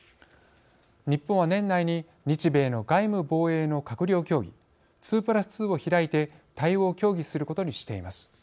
日本は年内に日米の外務・防衛の閣僚協議２プラス２を開いて対応を協議することにしています。